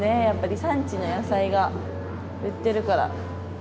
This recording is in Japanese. やっぱり産地の野菜が売ってるから。